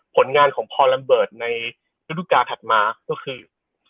ผลงานของพอลัมเบิร์ตในฤดูการถัดมาก็คือ